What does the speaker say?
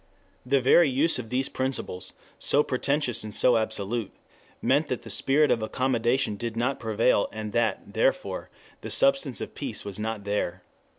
The very use of these principles, so pretentious and so absolute, meant that the spirit of accommodation did not prevail and that, therefore, the substance of peace was not there.